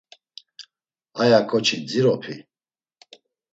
Aya ǩoçi dziropi?